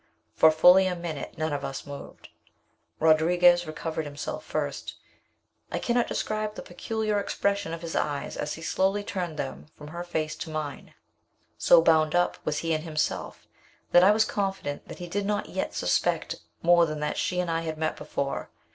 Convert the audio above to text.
For fully a minute none of us moved. Rodriguez recovered himself first. I cannot describe the peculiar expression of his eyes as he slowly turned them from her face to mine. So bound up was he in himself that I was confident that he did not yet suspect more than that she and I had met before.